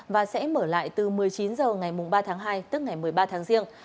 và sẽ mở lại từ một mươi chín h ngày ba tháng hai tức ngày một mươi ba tháng riêng